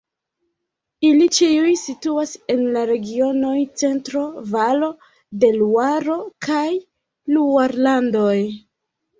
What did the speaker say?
Ili ĉiuj situas en la regionoj Centro-Valo de Luaro kaj Luarlandoj.